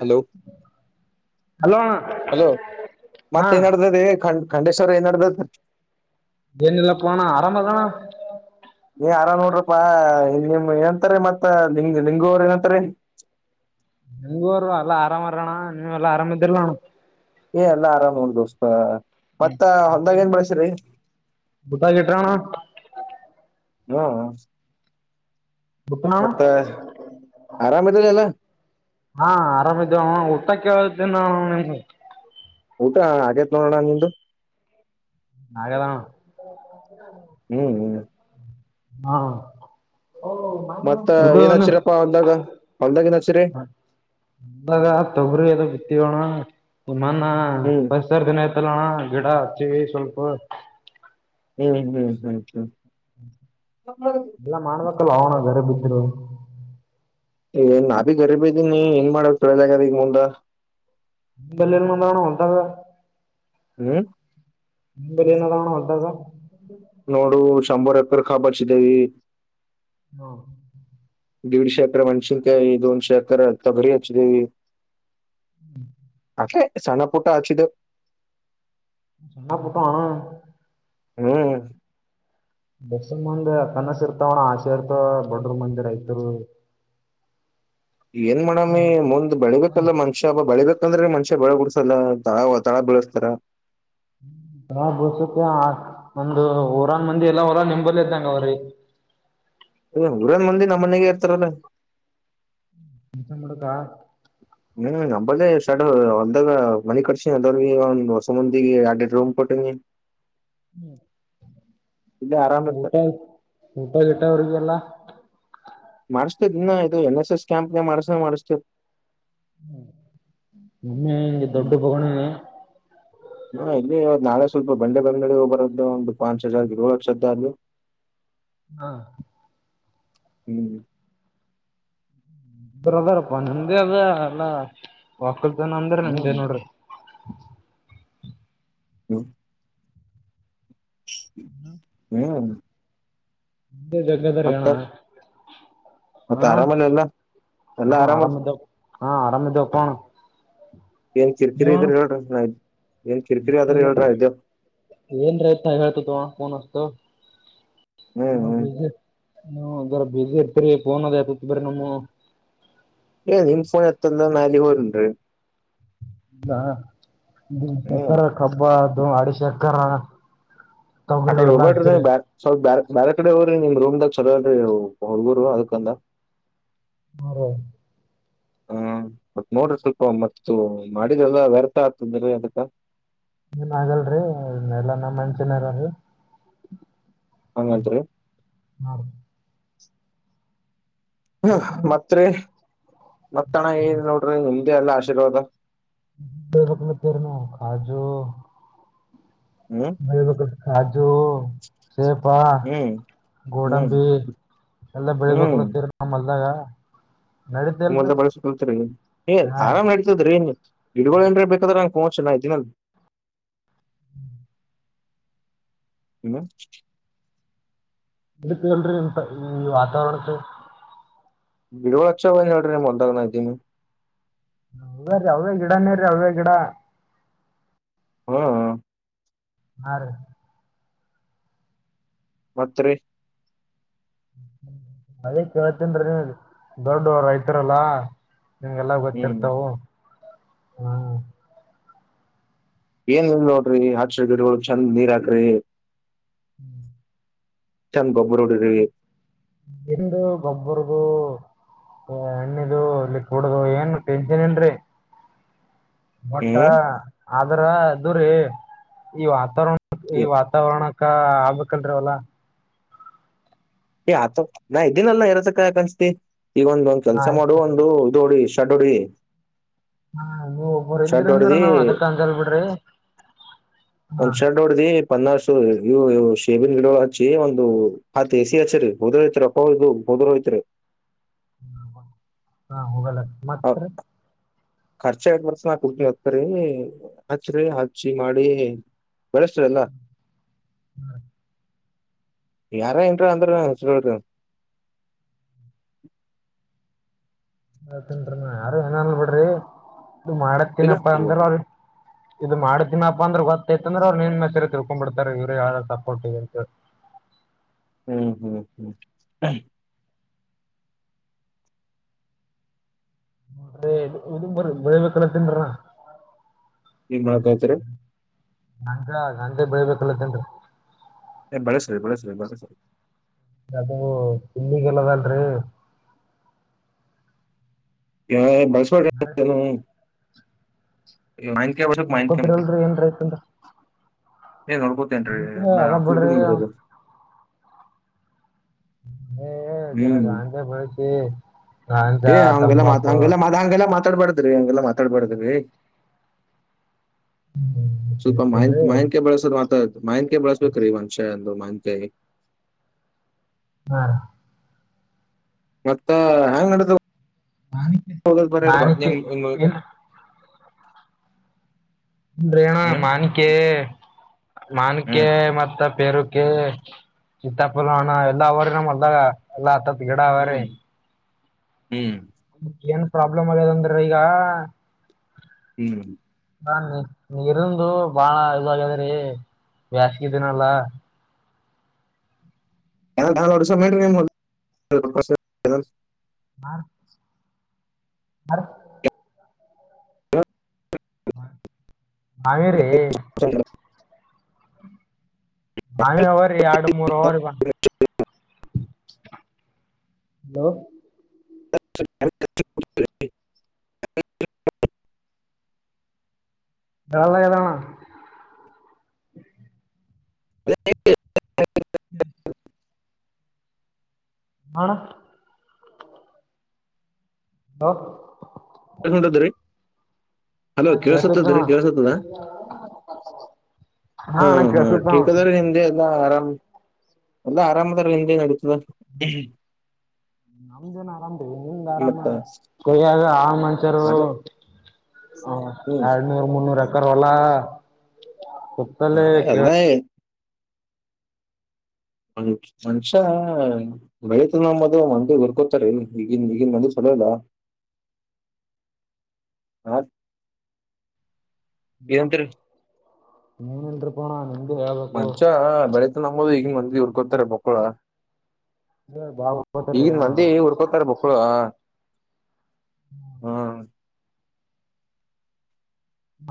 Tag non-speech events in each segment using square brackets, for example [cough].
Hello hello ಅಣ್ಣ hello ಹಾ ಮತ್ತ ನಡದೆ ಖ ಖಂಡೇಶ್ವರ್ ಏನ್ಡದತ್ ಏನಲ್ಲ ಪಣಾ ಆರಾಮ ತಾನ ನೀ ಆರಾಮ್ ನೋಡ್ರಪ್ಪಾ ನಿಮ್ ಏನಂತಾರೆ ಮತ್ತ ಲಂಗ ಲಿಂಗುವರು ಏನಂತಾರೆ ನಂಗಗ ಅವರ್ ಅಲ್ಲಾ ಆರಾಮರಣ್ಣ ನೀ್ ಎಲ್ಲಾ ಆರಾಮ ಇದ್ದಿರಲಣ್ಣ ಏ ಎಲ್ಲ ಆರಾಮ್ ಉನ್ ದೋಸ್ತ ಮತ್ತ ಹೊಂದಾಗ ಏನ್ ಬಳಸಿ್ರರಿ ಊಟ ಗಿಟ ಅಣ್ಣ ಹ್ಮ ಗನಾಳ ಮತ್ತ ಆರಾಮ್ ಇದರಿ ಎಲ್ಲ ಹಾ ಆರಾಮಿದ್ದೇ ಊಟಕ್ಕೆ ನ ಊಟ ಹಾಗಗೇತ್ ನೋಡೋಣ ನಿ್ದು ಹಾಗಾಗದಾ ಹ್ಮ್ ಹ್ಮ್ ಹಾ ಮತ್ತ ಗ ಏನ್ ಹಚ್ಚಿರಪ್ಪಾ ಹೊಲ್ದಾಗ ಹೊಲ್ದಾಗ ಏನ್ ಹಚ್ಚಿರಿ ತಗ ಅಣ್ ಮನ್ನ ಹ್ಮ್ ಪರಿಸರ ದಿನತಲ್ಲ ಗಿಡ ಹಚ್ಚಿವಿ ಸ್ವಲ್ಪ ಹ್ಮ್ ಹ್ಮ್ ಹ್ಮ್ ಹ್ಮ್. ಎಲ್ಲ ಮಾಡಡ್ಬೇಕಲ್ಲ ಅಲ್ಲೋ ಅಣ್ಣ. [inaudible] ಏ ನಾ ಭಿ ಗರೀಬಿದ್ದೀನಿ ಹೆಂಗ್ ಮಾಡಬೇಕಂತ ತಿಳಿಯಲಾಗೇದ ಮುಂದ. [unintelligible] ಹ್ಮ್. ನಿಂಬಲ್ಲಿ ಏನಾಗಣ ಹೊಲ್ದಾಗ. ನೋಡು ಚಂಬರ್ ಎಕರೆ ಕಬ್ಬಚವಿ. ಹಾ. ದೀಡಿಸೋ ಎಕ್ರೆ ಮೆಣಸಿನಕಾಯಿ ಹೆಚ್ಚಿವೆ ಧೂಮ್ಸೆ ಎಕರೆ ತೊಗರಿ ಹಚ್ಚಿವಿ. [inaudible] ಹೆ ಸಣ್ಣ ಪುಟ್ಟ ಅಚ್ಚಿದೇವ್. ಸಣ್ಣ ಪುಟ್ಟ ಅಣ್ಣ. ಹ್ಮ್. ಸಮ್ಮಂದ ಕನಸಿರ್ತಾವಣ್ಣ ಆಶೆರ್ತಾವ ಬಡೂರ್ಮಂದಿ ರೈತರೂ. ಏನ್ ಮಾಡಮಿ ಮುಂದ್ ಹ್ಮ್ ಬೆಳಿಬೇಕಲ್ಲ ಮನಷ್ಯ ಬ್ಬ ಬೆಳಿಬೇಕ್. ಯಾಕಂದ್ರೆ ಮನುಷ್ಯ ಬೆಳ್ಯಾಬುಡ್ಸಲ್ಲ ತಾಳ ತಳ ಬಿಳ್ಸ್ತಾರ. ಹ ಬಸತ್ಯ ಒಂದು ಊರಾನ್ಮಂದಿಯಲ್ಲ ಹೊರಾ ನಿಂಬಲ್ಲ್ದಂಗೌರ್ರೀ. ವ್ ಊರ್ಯಾನ್ಮಂದಿ ನಮ್ಮನ್ಯಾಗೇ ಇರ್ತಾರಲ್ಲ. ಕೆಲಸ ಮಾಡಕ್ಕ. ಹ್ಮ್ ನಮ್ಮಲ್ಲೆ ಸೆಡ್ ಹೊಲ್ದಾಗ ಮನಿ ಕಟ್ಸಿ ಅದೌರ್ಗೀಗ ಹೊಸ ಮಂದಿಗೆ ಯಾಡೆಡ್ ರೂಮ್ ಕೊಟ್ಟಿನಿ. ಹ್ಮ್. ಇಲ್ಲೇ ಆರಾಮ್ ಇರ್ತ ಊಟ ಊಟ ಗೀಟಾವ್ರಿಗೆಲ್ಲ. ಅಷ್ಟೆ ದಿನಾ ಇದು ಎನ್ ಎಸ್ ಎಸ್ ಕ್ಯಾಂಪ್ನಾಗ್ಮಾಡಸ್ತಾಗ್ಮಾಡಸ್ತೀವ್. [unintelligible] ಹಾ ಇಲ್ರಿ ಇವ-ನಾಳೆ ಸ್ವಲ್ಪ ಬೆಂಡೆ ಬೆಂಬಳಿಗೆ ಹೋಗದಿತ್ತು ಒಂದು ಪಾಂಚ್ ಹಜಾರ್ ಇದ್ರೆ ಹಾಕು. ಹಾ. [inaudible] ಬ್ರದರ್ ಬಂದ್ಯದ ಅಲ್ಲ ವಾ. ದೇನಂದ್ರ ನಂದೆ ಹ್ಮ್ ನೋಡ್ರಿ. [inaudible] [unintelligible] ಏನಾದ್. ಜಗ್ಗದಾರೀ ಅಣ್ಣ. ಮತ್ತ ಹಾ ಆರಾಮಲ್ಲಿ ಎಲ್ಲ ಎಲ್ಲಾ ಹಾ ಆರಾಮಲ್ಲಿ. ಆರಾಮಿದ್ದವ ಹಾ ಆರಾಮದ್ದೇವ್ ಕಣ ಏನ್ ಕಿರ್ಕಿರಿ ಇದ್ರ ಹೇಳ್ರಿ ನಾ ಏನ್ ಕಿರ್ಕಿರಿ ಆದರೆ ಹೇಳ್ರಿ ಇದ್ದೇವ್. [inaudible] [inaudible] ಹು ಅಂಗಾರ ಬಿಜಿ ಇರ್ತರಿ ಫೋನದ ಎತ್ತರ ನಮ್ಮದು. ಏ ನಿಮ್ಮ್ಫೋನ್ ಎತ್ತುದ್ಲಾಂದ್ರ ನಾ ಎಲ್ಲಿಗ್ ಹೋಗ್ಲಿ ಇರಿ. ಹಾ ಹ್ಮ್ ತತ್ತರಾ ಕಬ್ಬಾ [unintelligible] ದ ಅಡಿ [unintelligible] ಶರ್ಕ ಆಕಡೆ ಹೋಗಬ್ರ [unintelligible] ಸ್ವಲ್ಪ ಬಾರ್ ಬೇರೆ ಕಡೆ ಹೋಗ್ರಿ ನಿಮ ರೂಮ್ದಾಗ ಚಲೋಇದರಿ ಹುಡುಗ್ರು [unintelligible] ಅದಕಂದ ಹ [unintelligible] ಹಾ ಮತ್ತ ನೋಡ್ರಿ ಸ್ವಲ್ಪ ಮತ್ತ ಮಾಡಿದ್ರಲ್ಲ ವ್ಯರ್ಥ ಆಗ್ತಾಯ್ತ್ರಿ [unintelligible] ಅದಕ್ಕ ಏನ್ ಆಗಲ್ರರಿ [unintelligible] ಎಲ್ಲ ನ ಮಂಚನರಲ್ರಿ ಹಂಗಂತ್ರಿ [unintelligible] ಹ ಮತ್ರಿ ಮತ್ತಣ ಏನ್ [unintelligible] ನೋಡ್ರಿ ಎಲ್ಲ [unintelligible] ಆಶೀರ್ವಾದ [unintelligible] ನ ಕಾಜು ಹ್ಮ್ ಬ [unintelligible] ಹ [unintelligible] ಇದು ಸೇಪ ಹ್ಮ್ ಹ್ಮ್ ಗೋಡಂಬಿ ಎಲ್ಲ ಬೆಳಿಬೇಕಲತ್ತೀರಿ ನಮ್ ಹೊಲ್ದಾಗ [unintelligible] ನಡೀತಲ್ರಿ [unintelligible] ಬಳಸಳ್ತರಿ ಏ ಹಾ ರೀ ಆರಾಮ್ ನಡತದ್ರೀ ಗಿಡಗಳ್ ಏನ್ರ ಬೇಕಾದ್ರ [unintelligible] [unintelligible] ಹ್ಮ್ ಏನು [unintelligible] ಇಡಕ್ [unintelligible] ಹೇಳ್ರಿ ಅಂತ ಈ ವಾತಾವರಣಕ್ಕೆ ಬಿಡವಳಕ್ಷೋಡ್ರ [unintelligible] ಹದ ರೀ ಅವೇ ಗಿಡನೇ ರೀ ಅವೇ ಗಿಡ ಹಾ ಹಾ ಆ ರೀ [unintelligible] ಮತ್ತರಿ ಅದೇ ಕೇಳ್ತನ್ರೀ ದೊಡ್ಡ ರೈತರಲ್ಲ [unintelligible] ನಿಗೆಲ್ಲ [unintelligible] ಹ್ಮ್ ಗೊತ್ತಿರ್ತವು ಹ್ಮ್ [unintelligible] ಏನ್ ನೋಡ್ರಿ [unintelligible] ಚಂದ್ ನೀರ್ ಹಾಕ್ರಿ ಹ್ಮ್ ಚಂದ ಗೊಬ್ಬರ ಹೊಡಿರಿ ಎಂದು ಗೊಬ್ಬರದು ಎಣ್ಣದು [unintelligible] ಇಲ್ಲಿ ಕೂಡದು ಏನ್ ಟೆನ್ಷನ್ ಏನ್ರಿ ಮೊಟ್ಟಾ ಹ್ಮ್ ಆದ್ರ ಅದು ರೀ ಈ ವಾತಾವರಣ ಈ ವಾತಾವರಣ ಕ್ಕ ಆಗ್ಬೇಕಾಲರಿವೆಲ್ಲ [unintelligible] ಎ [unintelligible] ಆತ ನಾ ಇದ್ದೀನಲ್ಲಾ ಇರದಕ್ಕ [unintelligible] ಅನ್ಸ್ತಿ ಈಗ ಒಂದ ಒಂದ್ ಕೆಲಸ ಆಯ್ತು ಮಾಡುವ ಒಂದು [unintelligible] ಡೋಡಿ [unintelligible] ಹಾ ನೀವ್ ಒಬ್ಬರು ಇದ್ರ ಅಂದ್ರರು [unintelligible] ನಾವ್ ಅದಕ್ಕ ಅಂತಲ್ ಬಿಡ್ರಿ ಹಾ ಪನ್ನಾರ್ಸು ಇವು ಶೇಬನ್ ಗಿಡ ಹಚ್ಚಿ ಒಂದು ಹಸ್ [unintelligible] [unintelligible] ಹ ಹೋಗಲ್ಲ [unintelligible] ಮತ್ರ [unintelligible] ಖರ್ಚ ದ ವರ್ಸ ನಾ ಕುಗ್ನಿ [unintelligible] ಹತರಿ ಹಚ್ಚ್ರರಿ ಹಚ್ಚಿ ಮಾಡಿ ಬಳೆ ಸರೇಲ್ಲ [unintelligible] ಯಾರ ಏನ್ರ ಅಂದ್ರ [unintelligible] ಹೆಸರು ಅ ತಿನ್ರಿ ನ ಯಾರು [unintelligible] ಅನ್ನಲ್ಲ ಬಿಡ್ರಿ ಇದು ಮಾಡತ್ತಿನಪ್ಪಾ ಇಲ್ಲ ಅಂದ್ರ [unintelligible] ಇದು ಮಾಡತನಪ್ಪಾ ಅಂದ್ರೆ ಗೊತ್ತೈತಂದ್ರೆ ಅವ್ರು ನಿನ್ ಹೆಸರು [unintelligible] ತಿಳ್ಕೊಂಡ್ ಬಿಡ್ತಾರೆ ಇವ್ರ ಯಾವ್ದ ಸಪೋರ್ಟ್ ಇ ಅಂತ ಹ್ಮ್ ಹ್ಮ್ ಹ್ಮ್ ಇ ಇದ ಬರ ಬೆಳಿಬೇಕಲ್ಲ ತಿನ್ರ [unintelligible] [unintelligible] [unintelligible] ಬೆಳಬೇಕಲ್ಲತ್ತನ್ರಿ [unintelligible] ಅದು ಇಲ್ಲಿಗೆಲ್ಲ [unintelligible] ಅಲ್ರಿ ಯ [unintelligible] [unintelligible] ಹ್ಮ ಮಾನ್ಕಾಯಿ ಒಬ್ರಲ್ರಿ ಏನ್ಯ್ತಂದ [unintelligible] [unintelligible] ನೋಡ್ಕೋತೇನ್ರೀ ಎಲ್ಲ ಬಿಡ್ರಿ [unintelligible] ಏ ಜರ ಹ್ಮ್ ಗಾ [unintelligible] ಏ [unintelligible] ಏ ಹಂಗೆಲ್ಲಾ ಮತ್ ಹಂಗೆಲ್ಲ ಮಾ [unintelligible] ಹಂಗೆಲ್ಲ ಮಾತಾಡ್ಬಾರ್ದ್ರಿ ಹಂಗೆಲ್ಲಾ ಮತ್ [unintelligible] ಸ್ವಲ್ಪ ಮಾ ಬೆಳಿತೀವ್ರಿ. ಮಾಹನ್ಕ [unintelligible] ಬಳಸೋದ್ ಮಾತಾ ಮಾಹನ್ಕ [unintelligible] ಬಳಸ್ಬೇಕ್ರೀ ಮನ್ಷ್ಯ ರೋಮಾಂಚಾಯ [unintelligible] ಹಾ ಮತ್ತ ಹೆಂಗನಡೀತದ [unintelligible] ನಿಮ್ [unintelligible] ನಿಮ್ ಏನು ಅಂದ್ರೆ ಏನ ಹ್ಮ್ ಮಾನಕೆ ಮಾನಕೆ [unintelligible] ಮತ್ತ ಪೇರು [unintelligible] ಎಲ್ಲಾ ಅವರ ಮಾಡದಾಗ ಎಲ್ಲ ಬಿಗಡ ಅವರೇ ಹ್ಮ್ [unintelligible] ಹ್ಮ್ [unintelligible] ಪ್ರಾಬ್ಲಮ್ ಅಲ್ಲದಂದ್ರೆ [unintelligible] ಈಗ ಹ್ಮ್ ನಿ ನೀರುಂದು ಬಾಳ ಇದಾಗದ್ರೀ ಬ್ಯಾಸಿಗೆಯಿದಿಯಲ್ಲ [inaudible] ನ ಬ ಹಾ ಕಾವೇರಿ ಓವರಿ ಎರಡು ಮೂರು ಓವರಿಗೆ ಬಾ ಹಲೋ [inaudible] ಬರಲಾಗದಣ್ಣ [inaudible] [unintelligible] ಆ ಅಣ್ಣ ಹಲೋ ಏನ್ ಮಾಡಿದ್ರಿ ಹಲೋ ಹಾ ಕೇಳ್ಸುತ್ತಣ ಕೇೇಳಸತ್ತದ್ರೀ ಕೇಳಸತ್ತದ ಹಾ ಅಣ್ಣ ಹಾ ಕೇಳ್ಸುತ್ತಣ ಕ್ ಅದ್ರೀ ನಿಮ್ದೇ ಎಲ್ಲ ಆರಾಮ್ ಎಲ್ಲಾ ಆರಾಮದರ ನಿಂದೆ ನಡಿ ನಮ್ದನ ಆರಾಮತವಿ ನಿಮ್ದ ಆರಾಮ ಮತ್ತ ಕೊಯ್ಯಾಗ ಮಸರು ಅದು ಹ್ಮ್ ಎರಡ್ನೂರ್ ಮುೂರ ವಲ ಹಾ ಅಲ್ಲ ಮ ಮನುಷ್ಯ ಬೆಳತ ನಮ್ಮದು ಮಂದ ಊರ್ಕೋತಾರೆ ಈಗನ್ ಈಗನ್ ಮಂದ ಚಲೋಯಿಲ್ಲ ಹಾ ಹಲೋ ನೀನುನ್ರುಕೋಣ ನಿಮ್ದ ಯಾವಬೇಕಪ್ಪು ಉುರ್ಕೊತಾರೆ ಬಕ್ಕಳ ಬಾಳ್ ಓದ್ಕೋತಾರಿ ಈಗಿನ ಮಂದಿ ಅಣ್ಣ ಉರ್ಕೋತಾರೆ ಮಕ್ಕಳು ಹ್ಮ್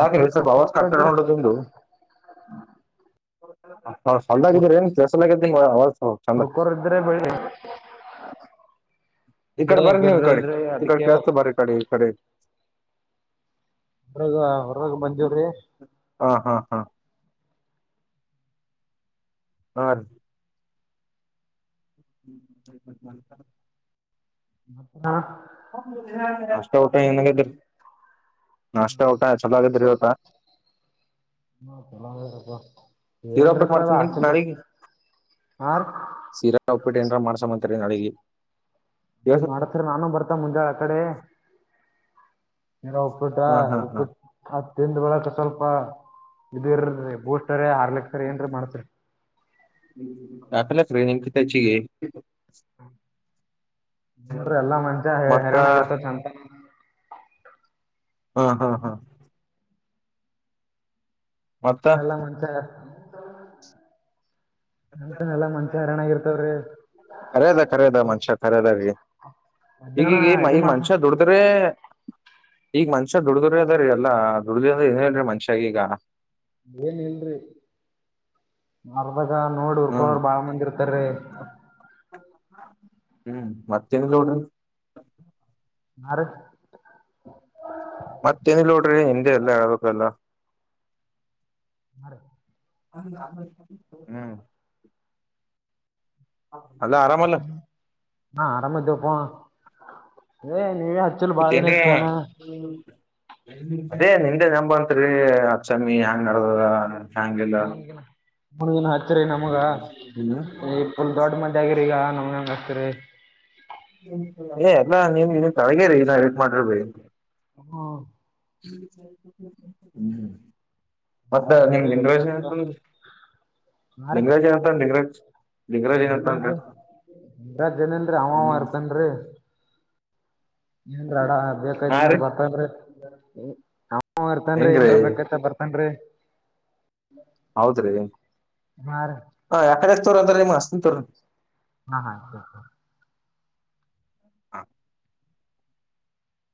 ಯಾಕ ಸ್ವಲ್ಪವಾಸ [unintelligible] ಚೆನ್ನಗಿದರೇನು ಜಾಸ್ತಿ [inaudible] ಉರ್ಕೋಳೋ ಇದ್ರೆ ಬೆಳಿರೀ ಈ ಕಡೆ ಬರ್ರ ನೀವು ಈ ಕಡೆ ಈಡೆ ಅದಕ್ಕೆ ಕಸ್ತ ಬರೀ ಈ ಕಡೆ ಈ ಕಡೆ ಹೊರಗ ಹೊರಾಗ ಬಂದಿವಿ ಹಾ ಹಾ ಹಾ ಆ [unintelligible] ಹ ಹ ಅಷ್ಟೇ ಊಟ ಏನ್ಮಾಡಕತ್ತಿರಿ ಅಷ್ಟ ಊಟಾ ಚೆನ್ನಾಗಿದ್ರಿ ಬಾ ನ ಚಲ್ಲ ಸೀರಾ ಉಪ್ಪಿಟ್ಟ ಮಾಡ್ಸಂ ನಾರಿಗೆ ಹಾ ರೀ ಸೀರಾ ಉಪ್ಪಿಟ್ಟ ಏನರ ಮಾಡ್ಸ ರೆ ನಳಿ ಅದು ಮಾಡತ್ರರಿ ನಾನು ಬರ್ತ ಮುಂಜಾಳ ಆ ಕಡೆ ಏನ ಉಪ್ಪಟ ಹಾ ಹಾ ಹಾ ಉಪ್ಪಟ್ಟ ಹ ತಿಿಂದ ಬಳಕ ಸ್ವಲ್ಪ ಬ ಇದು ಇರದ ಬೂಸ್ಟರ ಆರ್ಲೆಕ್ಸರಿ ಏನ್್ರ ಮಾಡ್ತ್ರಿ ಸ್ಕ್ರೀನಿಂಗ್ ನೋಡ್ರಿ ಎಲ್ಲಾ ಮಂಜ ಮತ್ತ ಹೈರಾಣ ಆಗರ್ತದಂತ ಹಾ ಹಾ ಹಾ ಮತ್ತ ಹ ಎಲ್ಲ ಮಂಚ ಹ ಕಖರದ ಕಖರದ ಮನ್ಷ್ಯ ಖರದೀ ಮಧ್ಯಾಹ್ನ ಈಗೀಗ ಇದು ಈಗ ಮಾಡ್ತ ಮನುಷ್ಯ ದುಡದ್ರೆ ಈಗ ಮನ್ಷ್ಯ ದುಡ್ದ್ರ ಅದ್ರೀ ಎಲ್ಲಾ ದುಡ್ದ ಅ್ರ ಏನೇನ್್ರೀ ಮನ್ಷ್ಯಾಗ ಈಗ ಏನ್ ಇಲ್ರಿ ಮ ಅವವಾಗ ನೋಡ್ ಹ್ಮ್ ಉರ್ಕೊರು ಬಾಳ ಮಂದಿ ಇರ್ತಾರೀ ಹ್ಮ್ ಮತ್ತೇನು ಚೂಡ ನಾರ ಮತ್ತೇನಿಲ್ಲ ನೋಡ್ರಿ ಹಿಂದೆ ಎಲ್ಲಾ ಹೇಳ್ಬೇಕಲ್ಲ ಹ ಹ್ಮ್ ಹ ಅಲ್ಲ ಆರಾಮಲ್ಲ ಹಾ ಆರಾಮ್ದಪ ನೀ ಹಚ್ಚಲ್ ಕೂತ್ ಏನ್ರೀ ಬಾದನೇಕ್ಕೆ ಪೋನು ಅದೇ ನಿೆ ನಂಬಂತ್ರಿ ಅಚ್ಚಮ್ಮಿ ಹೆ್ಯಾಂಗ್ ನಡ್ದದ ಹಾಗಲ್ಲ ಮಏನು ರಿ ನಮಗ ಈ ಪುಲ್ ದೊಡ್ ಮದ ಆಗಿರಿ ಈಗ ಕತ ಏ ಎಲ್ಲಾ ನೀನ್ ಇನ್ ತೊಳಗೇರಿ ನಾವ ಟ್ ಮಾಡಿರ್ಬ ಹ್ಮ ಹ್ಮ್ಮ್ ಮತ್ತ ನಿಂಗ ನೋಡ್ರಿ ದಿನ ರೇಜ್ ಮತ್ತ ಅಂತಂದ ದಿನರೇಜ್ ಅಂತಂದ ದಂಗ್ರಜ್ ಇ ಇ ಜನನ್ರಿ ಅವ ಹ್ಮ್ ಇರ್ತನ್ ಏನ್ ಅಡ ಬೇಕಾಯತ ಹಾ ಅಂದ್ರ ರೀ ಬರ್ತ್ರ [inaudible] ಹ ಬರ್ತನ್ರಿ ಹೆಂಗ್ರೀ ಏನ್ರ ಬೇಕತ್ ಬರ್ತನ್ ಹೌದ್ರಿ ಹಾ ರೀ ಹ ಯಕಡೆ ತೋರ ಅಂದ್ರೆ ನಿಮ್ಮಸ್ ಂತ ಹಾ ಹಾ ಹ